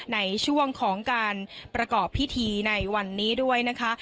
ในช่วงของการประกอบพิธีในวันนี้ด้วยนะคะ